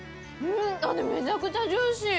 めちゃくちゃジューシー。